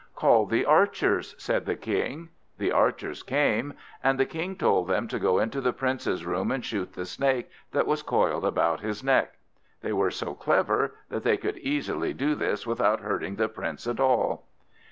"Call the archers," said the King. The archers came, and the King told them to go into the Prince's room, and shoot the Snake that was coiled about his neck. They were so clever, that they could easily do this without hurting the Prince at all.